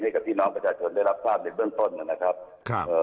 ให้กับพี่น้องประชาชนได้รับทราบในเบื้องต้นนะครับครับเอ่อ